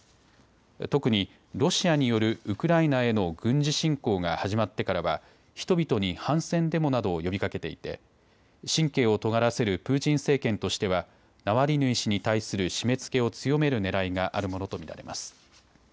特にロシアによるウクライナへの軍事侵攻が始まってからは人々に反戦デモなどを呼びかけていて神経をとがらせるプーチン政権としてはナワリヌイ氏に対する締めつけを強めるねらいがあるものと見られます。